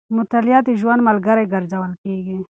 مطالعه د ژوند ملګری ګرځول کېږي.